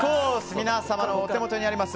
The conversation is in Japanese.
皆様のお手元にあります